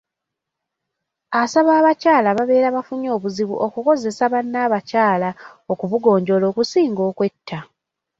Asaba abakyala ababeera bafunye obuzibu, okukozesa bannabakyala okubugonjoola okusinga okwetta.